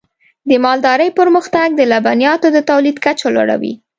د مالدارۍ پرمختګ د لبنیاتو د تولید کچه لوړوي.